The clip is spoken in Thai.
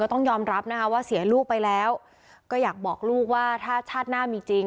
ต้องยอมรับนะคะว่าเสียลูกไปแล้วก็อยากบอกลูกว่าถ้าชาติหน้ามีจริง